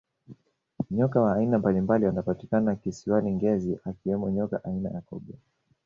nyoka wa aina mbalimbali wanapatikana kisiwani ngezi akiwemo nyoka aina ya cobra